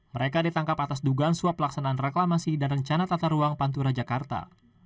mereka ditangkap atas dugaan suap pelaksanaan reklamasi dan rencana tata ruang pantura jakarta